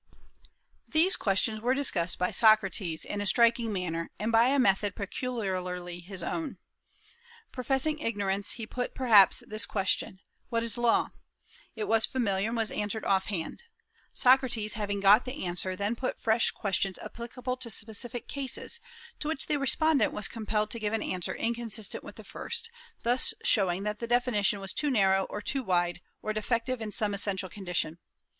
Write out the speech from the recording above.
These questions were discussed by Socrates in a striking manner, and by a method peculiarly his own. "Professing ignorance, he put perhaps this question: What is law? It was familiar, and was answered offhand. Socrates, having got the answer, then put fresh questions applicable to specific cases, to which the respondent was compelled to give an answer inconsistent with the first, thus showing that the definition was too narrow or too wide, or defective in some essential condition.